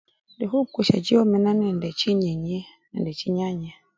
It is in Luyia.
Indi khukusya chiwamena nende chinyenyi nende chinyanya.